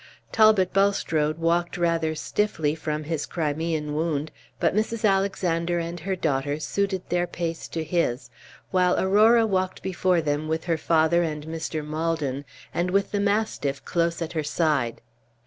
Talbot Bulstrode walked rather stiffly from his Crimean wound, but Mrs. Alexander and Page 20 her daughter suited their pace to his, while Aurora walked before them with her father and Mr. Maldon, and with the mastiff close at her side.